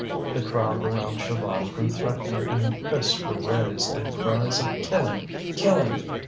The crowd around Chaval grew threatening, and fists were raised and cries of "Kill him! kill him!"